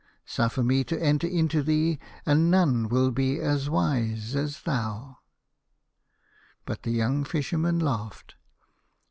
Suffer me to enter into thee, and none will be as wise as thou." But the young Fisherman laughed.